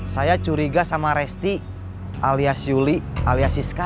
saya curiga sama resti alias yuli alias siska